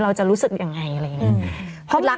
เราจะรู้สึกยังไงอะไรอย่างนี้